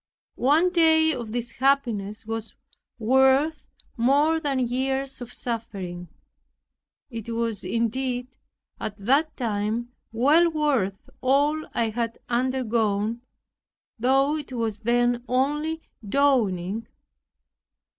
One day of this happiness was worth more than years of suffering. It was indeed, at that time well worth all I had undergone, though it was then only dawning.